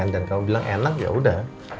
dan kamu bilang enak yaudah